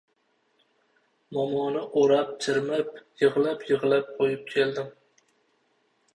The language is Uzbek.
Momoni o‘rab-chirmab, yig‘lab-yig‘lab qo‘yib keldim.